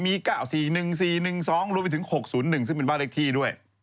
มี๙๔๑๔๑๒รวมไปถึง๖๐๑ซึ่งเป็นบ้านเลขที่ด้วย